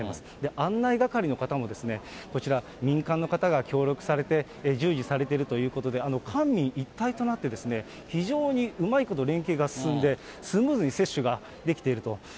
案内係の方もこちら、民間の方が協力されて、従事されているということで、官民一体となって、非常にうまいこと連携が進んで、スムーズに接種ができていると。